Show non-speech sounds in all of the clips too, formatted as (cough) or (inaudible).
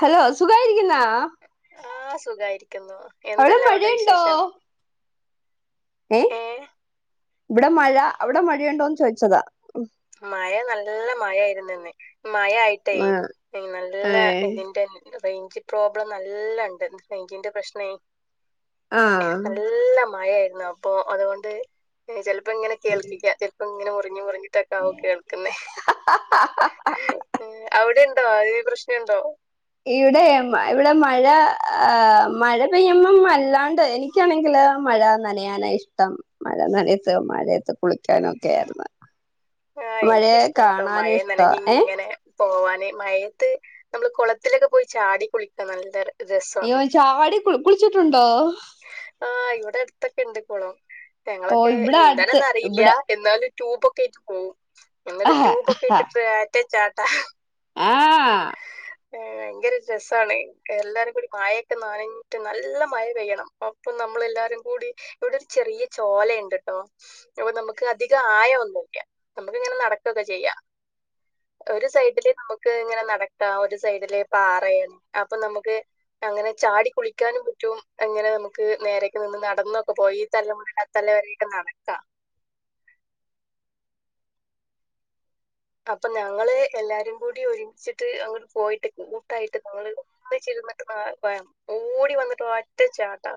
Hello സുഖായിരിക്കുന്നാ ആഹ് സുഖായിരിക്കുന്നു അവിടെ എന്തെല്ലാം മഴയുണ്ടോ വിശേഷം ഏഹ് ഇവിടെ മഴ അവിടെ മഴയുണ്ടോന്ന് ചോയ്ച്ചതാ മഴ നല്ല മഴയിരുന്നിന്ന് മഴയായിട്ടേ ആ നല്ല ഏ ഇതിൻ്റെ റേഞ്ച് പ്രോബ്ലം നല്ല ഇണ്ട് റേഞ്ചിന്റെ പ്രശ്നേ ആഹ് നല്ല മഴയായിരുന്നു അപ്പൊ അതുകൊണ്ട് ചിലപ്പോ ഇങ്ങനെ കേൾക്കില്ല അപ്പ ഇങ്ങനെ മുറിഞ്ഞ് മുറിഞ്ഞിട്ടൊക്കാവും കേൾക്കുന്നേ ഉം അവിടൊണ്ടോ മഴേ പ്രശ്നണ്ടോ ഇവിടെ ഇവിടെ മഴ മഴ പെയ്യുമ്പം അല്ലാണ്ട് എനി ക്കാണെങ്കില് മഴ നനയാനാ ഇഷ്ടം മഴ നനയത്ത് മഴയത്ത് കുളിക്കാനും ഒക്കെയാരുന്നു ആഹ് എനിക്കിഷ്ടാണ് കേട്ടോ കാണാനും മഴയും ഇഷ്ട ഏ നനഞ്ഞിങ്ങനെ പോവാന് മയയത്ത് നമ്മള് കൊളത്തിലൊക്കെ പോയി ചാടി കുളിക്കാ നല്ലൊരു അയ്യോ ചാടി കുളി കുളിച്ചിട്ടുണ്ടോ ആഹ് ഇവിടെ അടുത്തൊക്കെ ഇണ്ട് കൊളം ഓ ഞങ്ങളൊക്കെ ഇവിടെ അടുത്ത് നീന്താനൊന്നും അറിയില്യ ഇവിടെ എന്നാലും ട്യൂബൊക്കെ ഇട്ട് പോവും ആ ഞങ്ങള് ട്യൂബൊക്കെ ഇട്ടിട്ട് പോയൊറ്റ ചാട്ടാ ആഹ് ഏഹ് ഭയങ്കര രസമാണ് എല്ലാരും കൂടി മഴയൊക്കെ നനഞ്ഞിട്ട് നല്ല മഴ പെയ്യണം അപ്പൊ നമ്മളെല്ലാരും കൂടി ഇവിടെ ഒരു ചെറിയ ചോല ഉണ്ട്ട്ടോ അപ്പൊ നമുക്ക് അധികം ആയം ഒന്നുംരിക്കാം നമുക്ക് ഇങ്ങനെ നടക്കൊക്കെ ചെയ്യാം ഒരു സൈഡില് നമുക്ക് ഇങ്ങനെ നടക്കാം ഒരു സൈഡില് പാറയ അപ്പൊ നമുക്ക് അങ്ങനെ ചാടി കുളിക്കാനും പറ്റും അങ്ങനെ നമുക്ക് ക്ക് നേരക്ക് നിന്ന് നടന്നൊക്കെ പോയി തലമ തലവരെയൊക്കെ നടക്കാം അപ്പൊ ഞങ്ങള് എല്ലാരും കൂടി ഒരുമിച്ചിട്ട് അങ്ങ് പോയിട്ട് കൂട്ടായിട്ട് ഞങ്ങള്ൾ ചിരുന്നിട്ട് ഓടി വന്നിട്ട് ഒറ്റച്ചാട്ടാ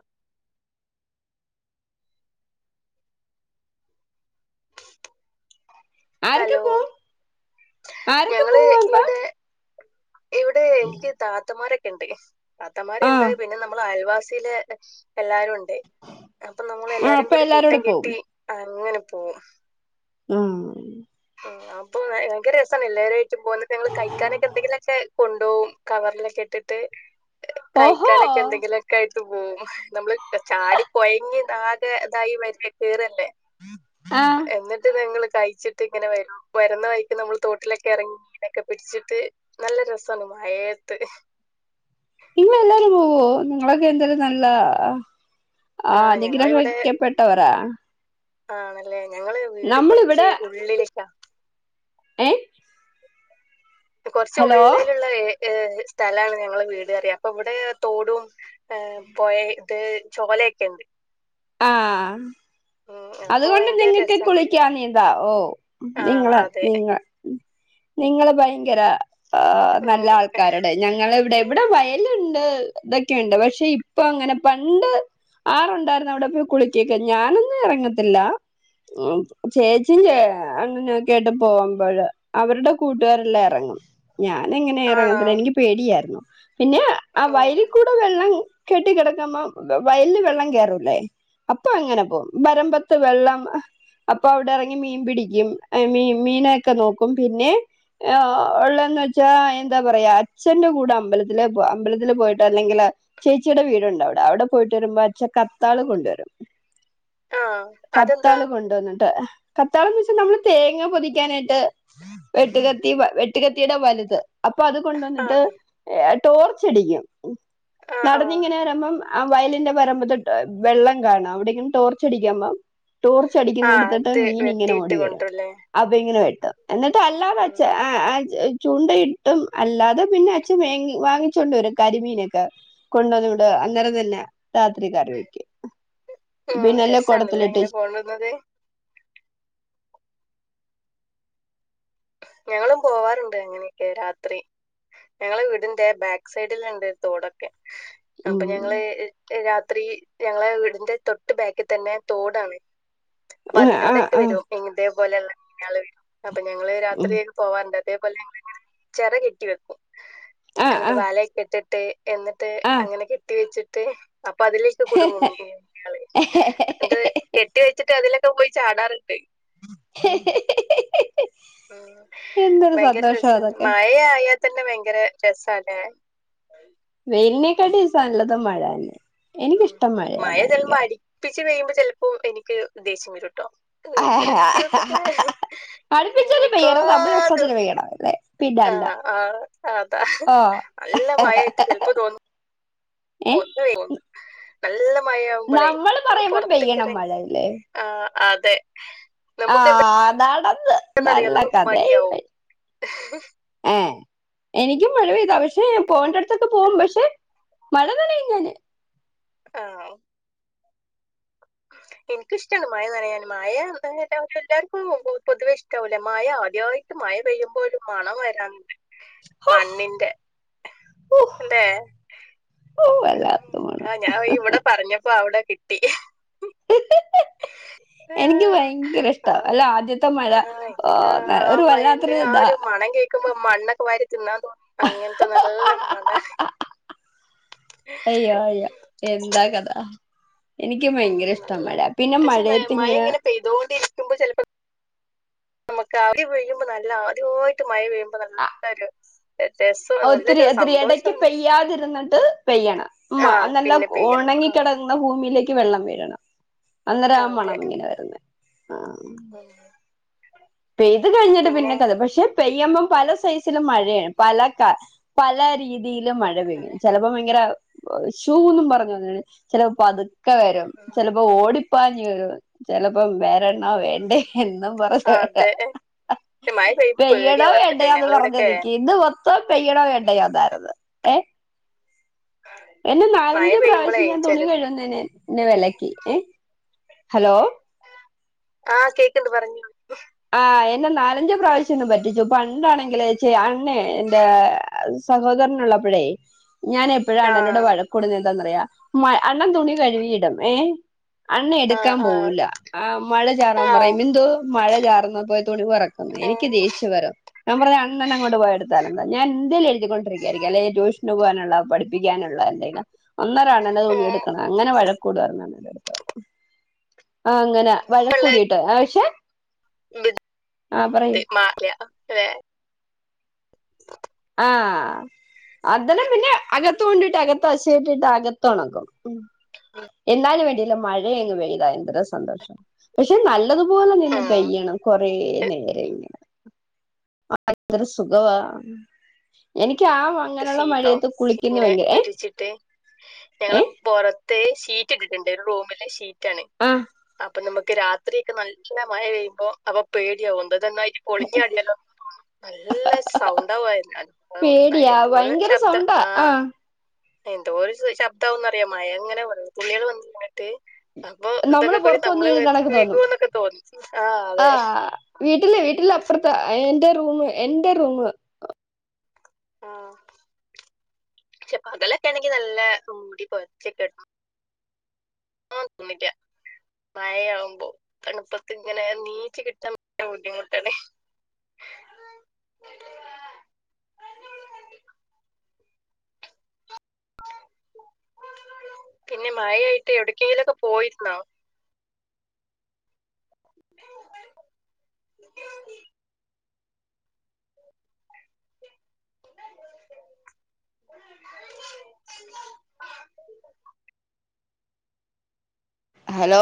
ആരൊക്കെ ഹലോ പോവും ആരൊക്കെ ഞങ്ങള് പോവും അപ്പ ഇവിടെ ഇവിടെ എനിക്ക് താത്തന്മാരൊക്കെ ഉണ്ട് ആ താത്തമാരുണ്ട് പിന്നെ നമ്മൾ അയൽവാസിൽ എല്ലാരും ഉണ്ട് അപ്പൊ നമ്മൾ ആ എല്ലാരും അപ്പൊ കൂടി കൂട്ടം എല്ലാരോടെ പോവും കെട്ടി അങ്ങനെ പോകും ഉം ഉം അപ്പം ഭയങ്കര രസമാണ് എല്ലാവരും ആമായിട്ടും പോകുന്നക്കെ ങ്ങങ്ങള് കഴിക്കാനൊക്കെ എന്തങ്കിലുമൊക്കെ കൊണ്ടുപോകവും കവറിലൊക്കെ ഇട്ടിട്ട് ഓഹോ കഴിക്കാനൊക്കെ എന്തെങ്കിലും ക്കായിട്ട് പോവും നമ്മള് ചാടി കൊഴങ്ങി ആാകെ ഇതായി വര കേയറല്ലേ ആഹ് എന്നിട്ട് ഞങ്ങള്ൾ കഴിച്ചിട്ട് ഇങ്ങനെ വരും വരുന്ന വൈ്ക്ക് നമ്മൾ തോട്ടിലൊക്കെ ഇറങ്ങി മീനൊക്കെ പിടിച്ചിട്ട് നല്ല രസമാണ് മയത്ത് ഇങ്ങ എല്ലാരും പോ കൊ നിങ്ങക്ക എന്താല നല്ല ആ ആ്ഹ് ഞങ്ങളിവിടെ നിഗ്രഹക്കപ്പെെട്ടവരാ ആണല്ലേ ഞങ്ങള് വീട് കുറച്ച് ഉള്ളില ഏഹ് കൊറച്ച് ഉള്ളിലുള്ള് സ്ഥലാണ് ഞങ്ങള് വീട്റിയാം അപ്പൊ ഇവിടെ തോടും പോയ ഇത് ചോലൊക്കെണ്ട് ആഹ് ഉം അപ്പൊ അതുകൊണ്ട് ഭയങ്കര നിങ്ങൾക്ക് രസാണ് കുളിക്കാൻീതാ ഓ ആ നിങ്ങ അതെ നിങ്ങ നിങ്ങള് ഭയങ്കര ആഹ് നല്ല ഉം ആൾക്കാർ ഞങ്ങളെ ഇവിടെ എവിടെ വയലുണ്ട് ഇതൊക്കെയുണ്ട് പക്ഷെ ഇപ്പൊ അങ്ങനെ പണ്ട് ആറുണ്ടായിരുന്നു അവിടെ പോയി കുളിക്കക്കെ ഞാനൊന്നും ഇറങ്ങത്തില്ല ഉം ചേച്ചും അണ്ണനൊക്കെ ആയിട്ട് പോകുമ്പോഴ അവരുടെ കൂട്ടുകാരെല്ലാം ഇറങ്ങും ഞാന് എങ്ങനെ ആണോ ഇറങ്ങത്തില്ല എനിക്ക് പേടിയായിരുന്നു പിന്നെ ആഹ് ഉം വയലിൽ കൂടെ വെള്ളം കെട്ടി കിടക്കുമ്പ വയല്ല് വെള്ളം കയറൂല്ലേ അപ്പൊ എങ്ങനെ പോകും വരമ്പത്ത് വെള്ളം അപ്പൊ അവിടെ ഇറങ്ങി മീൻ പിടിക്കും മീ മീനൊക്കെ നോക്കും പിന്നെ ആഹ് ഉള്ളന്ന് വെച്ചാ എന്താ പറയാ അച്ഛന്റെ കൂടെ അമ്പലത്തില അമ്പലത്തില് പോയിട്ട് അല്ലെങ്കില് ചേച്ചിയുടെ വീടുണ്ട് അവിടെ അവിടെ പോയിട്ട് വരുമ്പോ അച്ചൻ കത്താള് കൊണ്ടുവരും ആ അതെന്താ? കത്താള് കൊണ്ടുവന്നിട്ട് കത്താളംന്ന് വെച്ചാൽ നമ്മള് തേങ്ങ പൊതിക്കാനായിട്ട് വെട്ടുകത്തി വെട്ടുകത്തിയുടെ വലുത് അപ്പൊ അത് കൊണ്ട് ആ വന്നിട്ട് ടോർച്ച് അടിക്കും ആ ആ നടന്ന് ഇങ്ങനെ വരുമ്പം ആഹ് വയലിന്റെ വരമ്പോത്തെ വെള്ളം കാണാം അവിടെയെങ്കിലും ടോർച്ച് അടിക്കുമ്പോ ടോർച്ച് ആ അടിക്കുന്ന എടുത്തിട്ട് അത് മീൻ ഇങ്ങനെ വെട്ടിയിട്ട് ഓടി വരുക കൊണ്ടരുല്ലേ? അത് ഇങ്ങനെ വെട്ടി എന്നിട്ട് അല്ലാ ഉം വച്ച് ചൂണ്ട ഇട്ടും അല്ലാതെ പിന്നെ അച്ഛൻ വങ്ങ വാങ്ങിച്ചോണ്ട് വരും കരിമീനൊക്കെ കൊണ്ടന്നിവിടെ അന്നേരം തന്നെ രാത്രി കറി വെക്കും ആഹ് പിന്നെല്ലാം രസാണല്ലേ കുടത്തിലിട്ട് എങ്ങനെ കൊണ്ട് വരുന്നത് ഞങ്ങളും പോവാറുണ്ട് അങ്ങനെയൊക്കെ രാത്രി ഞങ്ങള് വീടിന്റെ ബാക്ക് സൈഡില് ഉണ്ട് ഒരു തോട് അപ്പൊ ഞങ്ങള് ഉം രാത്രി ഞങ്ങളെ വീടിന്റെ തൊട്ട് ബാാക്കിൽ തന്നെ തോടാണ് അപ്പൊ ആ അതിലൂടെക്കെ ആ വരും ഇതേ പോലെള്ള (unintelligible) അപ്പൊ ഞങ്ങള് ഉം രാത്രി പോവാണ്ട് അതേപോലെ ഞങ്ങൾ ച്ചെറ കെട്ടി വെക്കും എന്നിട്ട് ആഹ് വലയൊക്കെട്ട് എന്നിട്ട് ആഹ് ആഹ് അങ്ങനെ കെട്ടി വെച്ചിട്ട് അപ്പൊ അതില് കുടുങ്ങും ത് കെട്ടി വെച്ചിട്ട് അതിലൊക്കെ പോയി ചാടാറുണ്ട് (inaudible) ഉം എന്തൊരു ഭയങ്കര സന്തോഷാ രസാണ് അതൊക്കെ മഴ ആയാതന്നെ ഭയങ്കര രസാല്ലേ വെയിലിനേക്കടി സാ നല്ലതും മഴന്നെ ഉം മഴ ചെല് പ്പോ അടിപ്പിച്ച് പെയ്യുമ്പോ ചെലപ്പോ എനിക്ക് ദ്ദേശ്യം വരുട്ടോ ഒന്ന് രണ്ടു ദിവസൊക്കെ അടുപ്പിച്ചങ്ങ് പെയ്യണം നമ്മുടെ നിക്കാത ഇഷ്ടത്തിന് പെയ്യണം അല്ലേ പിന്നല്ല ആഹ് ആഹ് അതാ ആഹ് നല്ല മഴായിട്ട് ചിലപ്പോ തോന്നും (inaudible) ഏ പോർത് വെയിൽ നല്ല മഴകുമ്പളെയ് നമ്മള് ഒന്ന് പറയുമ്പം പെയ്യണം പോർത്ക്കറങ്ങണങ്കി മഴയില്ലേ ആഹ് അതെ നമുക്ക് ആഹ് അതാടന്ന് എന്താന്നറിയോ നല്ല നമുക്ക് കഥായി മടിയാവും പോയി എനിക്കും മഴ പെയ്താ പക്ഷെ പോവണ്ടോതൊക്കെ പോകും പക്ഷെ മഴ നനയും ഞാന് ആഹ് (inaudible) ഇൻക്കിഷ്ടാണ് മാഴ നനയാന് മഴ എല്ലാവർക്കും പൊതുവെ ഇഷ്ടവല്ലേ മഴ ആദ്യായിട്ട് മഴ പെയ്യുമ്പോ ഒരു മണം വരാണ്ട് ഹോ മണ്ണിന്റെ ഹോ അല്ലെ ഹോ വല്ലാത്ത ആഹ് ഞാൻ ഇവിടെ പറഞ്ഞപ്പോ അവിടെ കിട്ടി മണം ആ എനിക്ക് ഭയങ്കര ഇഷ്ട ആ അല്ല ആദ്യത്തെ മഴ ആഹ് ഇക്ക് ഒരു വല്ലാത്തരു ഇതാ മണക്കുമ്പ മണ്ണൊക്കെ വാരി തിന്നാ തോന്നും അങ്ങനത്തെ നല്ല മഴ അയ്യോ അയ്യോ എന്താ കഥ എനിക്കും ഉം ഭയങ്കര ഇഷ്ട മഴ പിന്നെ മഴയത്ത് ങ്ങനെ പെയ്തൊണ്ടിരിക്കുമ്പോ ചലപ്പ നമുക്ക് ആഹ് ആദ്യം വീഴുമ്പോ നല്ല ആദ്യമായിട്ട് മഴ പെയ്യുമ്പോ അപ്പൊ നല്ലൊര് ഒത്തിരി ഒത്തിരി ഇടക്ക് പെയ്യാതിരുന്നിട്ട് പെയ്യണം ആഹ് നല്ല പിന്നെ പെയ്യണം ഉണങ്ങികെടക്കുമ്പോ ഭൂമിയിലേക്ക് വെള്ളം വീഴണം അന്നേര ആഹ് മണം ങ്ങനെ വരണം ഉം പെയ്ത് കഴിഞ്ഞിട്ട് പിന്നെ പിന്നെക്ക അത് പക്ഷെ പെയ്യ് മ്പം പല സൈസിലും മഴയാണ് പല കാ പല രീതി രീതിയിലും മഴ പെയും അതെ ചിലപ്പോ ഭയങ്കര ഷൂന്നും പറഞ്ഞു ചിലപ്പോ പത്ക്കെ പതുക്കെ വരും ഉം ചിലപ്പോ ഓടിപ്പാഞ്ഞു വരും ചിലപ്പോ വേ വേണോ ഉം വേണ്ടേ എന്നും പറഞ് അതെ മഴ പെയ്യുമ്പോ പെയ്യണോ പേടിയാ പറഞ്ഞിട്ടെ വേണ്ടയോന്ന് പറഞ് ഞങ്ങളിവിടൊക്കെ നിക്കും ഇന്ന് മൊത്തം പെയ്യണോ വേണ്ടയോന്നായിരുന്നു ഏഹ് എന്നെ മഴ നാലഞ്ചു പെയ്യുമ്പളേ പ്രാവശ്യം ഞാൻ തുണി ചെല കഴുകുന്നതിന് ന്നെവിലക്ക് ഏഹ് ഹലോ ആഹ് കേക്ക്ണ്ട് പറഞ്ഞോ ആഹ് എന്നെ നാലഞ്ച് പ്രാവശ്യം ന്ന് പറ്റിച്ചു പണ്ടാണെങ്കിൽ ച്ചെ അണ്ണേ എന്റെ സഹോദരനള്ളപ്പോഴേ ഞാൻ എപ്പോഴും അണ്ണനോട് ആഹ് വഴക്കൂടുന്നത് എന്താന്നറിയോ അണ്ണൻ തുണി കഴുകിയിടും ഏഹ് അണ്ണ ആഹ് എടുക്കാൻ ആഹ് പോവൂല്ല ഏഹ് മഴ ചാറൻ ആഹ് പറയും ഇന്ദു മഴ ചാറ് ന്നാപോയി തുണിപറക്കും എനിക്ക് ദേഷ്യ വരും ഞാൻ പറഞ് അണ്ണനെന്നെ അങ്ങോട്ട പോയിയെടുത്തോ ഞാൻ എന്തേലും എഴുതിൊണ്ടരിക്കയായിരിക്കും അല്ലെങ്കിൽ ട്യൂഷന് പോകാനുള്ള പഠിപ്പിക്കാനുള്ള എന്തെങ്കിലും അഹ് അന്നേരം അണ്ണന്റെ തുണിയ എടുക്കണം അങ്ങനെ വഴക്കൂടര്ന്നു ആഹ് അങ്ങനെ പിള്ളേർ വഴക്കൂടിട്ട് ആഹ് പക്ഷെ ആ പറയ് (inaudible) ആഹ് അതെല്ലാം പിന്നെ അകത്ത് കൊണ്ടിട്ട് അകത്ത് അശേഇട്ടിട്ട് അകത്ത് ഒണക്കും ആഹ എന്നാലും വേണ്ടിയില്ല മഴയങ്ങ് പെയ്ത എന്തര സന്തോഷം പക്ഷെ നല്ലതുപോലെ നിന്ന് പെയ്യണം കൊറേ നേരം ഇങ്ങനെ (unintelligible) സുഖവാ എനിക്ക് ആ വ സീറ്റോ സീറ്റ് ഇങ്ങനെ വിരിച്ചിട്ട് ഞങ്ങള് ഏ പൊറ ത്തെ ഷീറ്റ് ഇട്ടിട്ടുണ്ട് റൂമിലെ ഷീറ്റാണ് ആ അപ്പൊ നമുക്ക് രാ ത്രിയക്കെ നല്ല മഴ പെയ്യുമ്പോ അപ്പം പേടിയാവിണ്ട് ഇതന്നായി പൊളിഞ്ഞ അടിയല്ലോ നല്ല സൗണ്ടാവായിരുന്നു (unintelligible) രിയ ഭയങ്കര സൗണ്ടാ ആഹ് എന്തോരം ശ ശബ്ദാവൂന്നറിയോ മഴ ഇങ്ങനെ വെള്ള തുള്ളികള് വന്നിട്ട് അപ്പൊ നമ്മള് ഇതൊക്കെ കൂടി പുറത്ത് വന്ന് നമ്മള വീഴുന്ന കണക്ക് മേത്ത്ക്ക് തോന്നും (unintelligible) എന്നൊക്കെ തോന്നും ആഹ് ആ അതെ വീട്ടില് വീട്ടില് അപ്പുറത്ത എൻ്റെ റൂമ് എന്റെ റൂമ് ആഹ് പക്ഷെ പകലൊക്കെ ആണെങ്കി നല്ല മൂടി പൊതച്ച്കെട ആഹ് തുമ്മിക്ക മഴയാവുമ്പോ തണുപ്പത്തിങ്ങനെ നീച്ച് കിട്ടാൻ (unintelligible) ബുദ്ധിമുട്ടാണേ പിന്നെ മഴയായിട്ട് എവിടക്കെങ്കിലൊക്കെ പോയിരുന്നോ (inaudible) ഹലോ